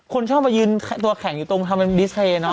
คนชอบมายืนตัวแข็งอยู่ตรงทำเป็นดิสเพลย์เนาะ